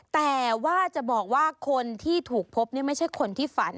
แต่ว่าจะบอกว่าคนที่ถูกพบไม่ใช่คนที่ฝัน